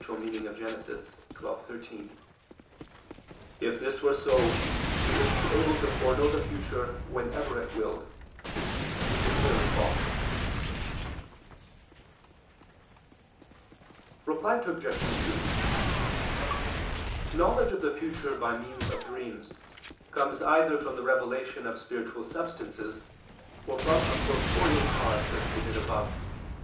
xii, 13), "if this were so, it would be able to foreknow the future whenever it willed," which is clearly false. Obj. 2: Knowledge of the future by means of dreams, comes either from the revelation of spiritual substances, or from a corporeal cause, as stated above (Q.